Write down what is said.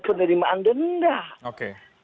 penerimaan denda oke